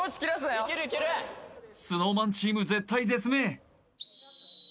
いけるいけるＳｎｏｗＭａｎチーム絶体絶命